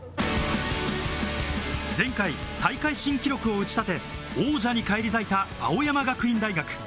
前回、大会新記録を打ち立て、王者に返り咲いた青山学院大学。